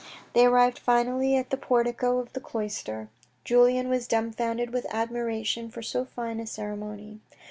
They arrived finally at the portico of the cloister. Julien was dumbfounded with admiration for so fine a ceremony.